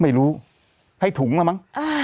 ไม่รู้ให้ถุงแล้วมั้ง